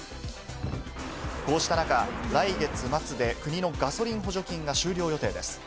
こうした中、来月末で国のガソリン補助金が終了になります。